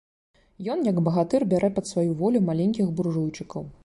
Ён, як багатыр, бярэ пад сваю волю маленькіх буржуйчыкаў.